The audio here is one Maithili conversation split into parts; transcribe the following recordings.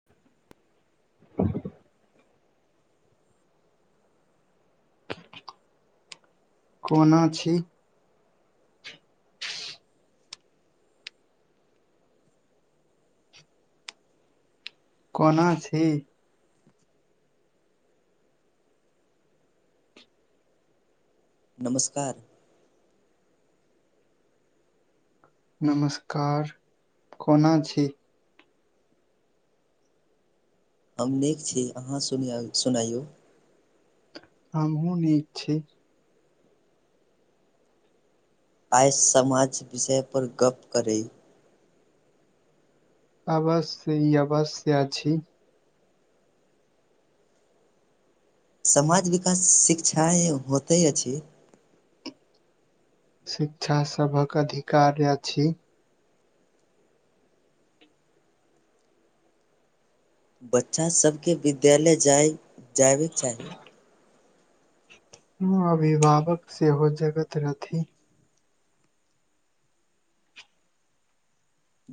[inaudible] कोना छी कोना छी नमस्कार नमस्कार कोना छी हम नीक छी अहाँ सुनिआइ सुनइयौ हमहूँ नीक छी आज समाज विषयपर गप करी अवश्य ई अवश्या छी समाज विकास शिक्षा होतै अछि शिक्षा सभक अधिकार अछि। बच्चासभके विद्यालय जाय जायबाक चाही हँ अभिभावक सेहो जगत रहथि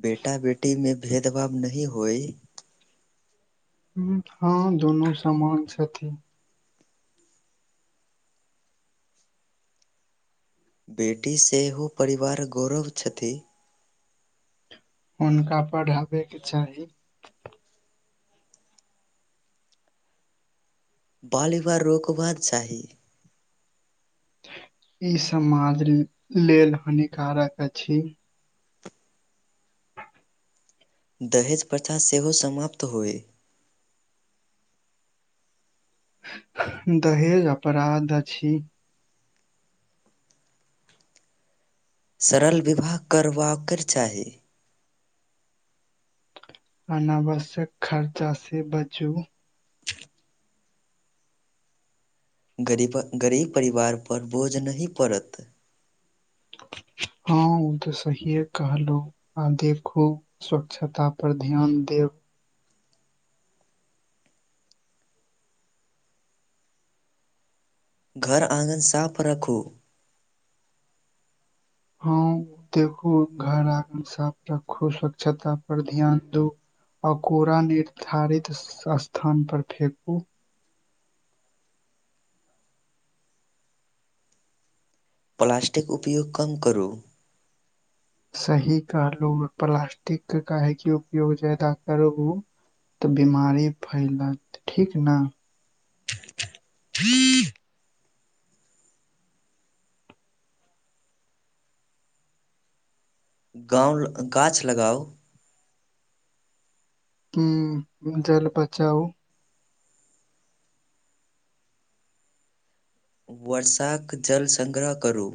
बेटा बेटी मे भेदभाव नहि होइ हँ दुनू समान छथि बेटी सेहो परिवार गौरव छथि हुनका पढ़ाबयके चाही बाल बिबाह रोकबाक चाही ई समाज लेल हानिकारक अछि दहेज प्रथा सेहो समाप्त होइ दहेज अपराध अछि सरल विवाह करबाक चाही अनावश्यक खर्चा से बचू गरीब गरीब परिवार पर बोझ नहि पड़त हँ उ तऽ सहीये कहलु आ देखू स्वच्छता पर ध्यान देब घर आङ्गन साफ रखू हँ देखू घर आंगन साफ रखू स्वच्छता पर ध्यान दू आ कोरा निर्धारित स्थान पर फेेकू प्लास्टिक उपयोग कम करू सही कहलुह प्लास्टिक के काहेकी उपयोग जादा करबु तऽ बिमारी फैलत ठीक ने गाँउ गाछ लगाउ उंम्म जल बचाउ वर्षाक जल सङ्ग्रह करू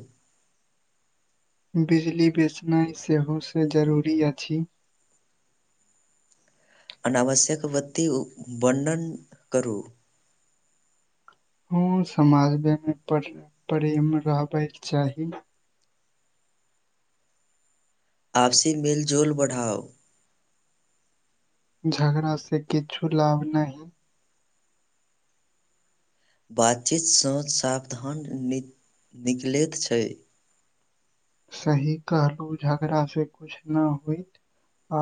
बिजली बेचनाइ सेहो से जरूरी अछि अनावश्यक बत्ती वर्णन करू। हँ समाजमे प्रेम रहबयके चाही आपसी मेल जोल बढ़ाउ झगड़ा से किछु लाभ नहि बातचीतसँ सावधान न निकलै छै सही कहलहु झगड़ा से कुछ न होइत आ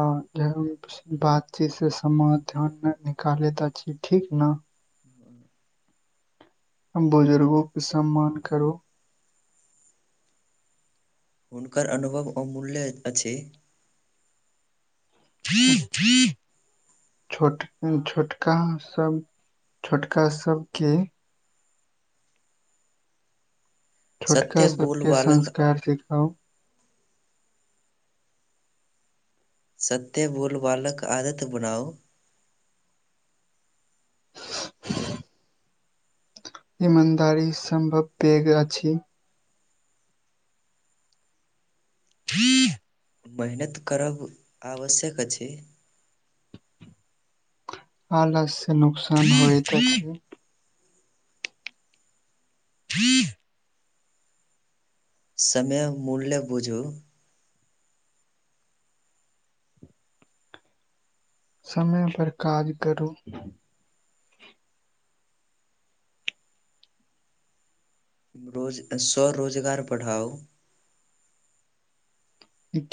बातचीत से समय ध्यान निकाले त छी ठीक ने बुजुर्गों के सम्मान करो हुनकर अनुभव अमूल्य अछि थ्री थ्री छोट छोटका सब छोटका सबके छोटका सत्य सबके बोलबाक संस्कार सिखाउ सत्य बोल बालक आदत बनाउ ईमानदारी सम्भव पेग अ अछि हीँ मेहनत करब आवश्यक अछि आलस से नुकसान होएत ी समय मूल्य बुझू समय पर काज करू रोज स्वरोजगार बढ़ाओ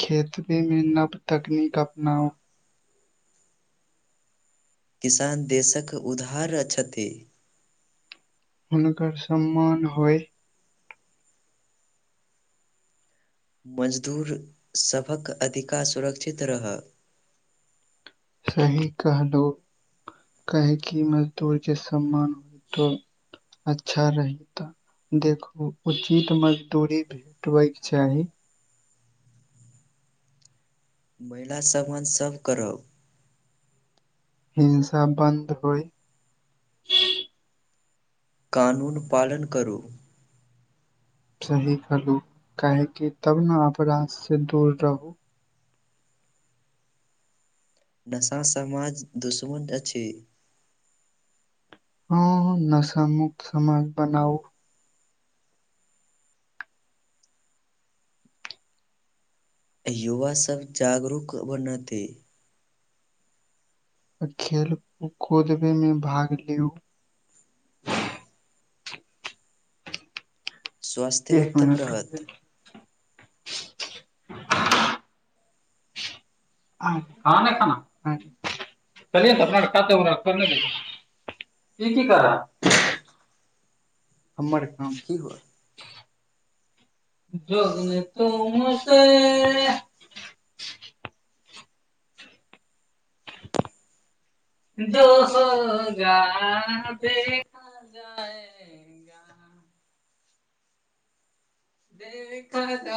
खेतब मे नव तकनीक अपनाउ किसान देशक उधार छथि हुनकर सम्मान होय मजदूर सबक अधिकार सुरक्षित रहय सही कहलो कहे की मजदूर के सम्मान तऽ अच्छा रही तऽ देखू उचित मजदूरी भेटबयके चाही महिला समान सब करब हिंसा बानधइ कानून पालन करूं सही खलु काहेकि तब ने अपराध से दूर रहु नशा समाज दुश्मन अछि हँ नशा मुक्त समाज बनाउ युवासब जागरूक बनतै आ खेल कूदबे में भाग लिउ स्वास्थ्य एक उत्तम मिनट रहत रुकिए खाना खाना चलिये त अपनाे कऽ की कर हमर खाम की हुआ जोगने तस हो जगा देखा जायगा देखा जाएगा